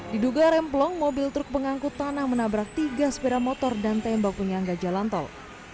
diduga remplong mobil truk pengangkut tanah menabrak tiga sepeda motor dan tembok penyangga jalan tol